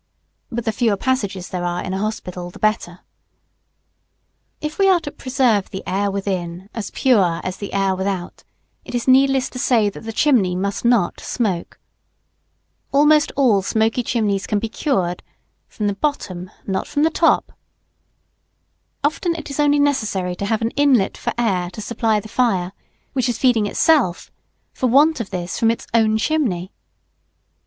But the fewer passages there are in a hospital the better. [Sidenote: Smoke.] If we are to preserve the air within as pure as the air without, it is needless to say that the chimney must not smoke. Almost all smoky chimneys can be cured from the bottom, not from the top. Often it is only necessary to have an inlet for air to supply the fire, which is feeding itself, for want of this, from its own chimney.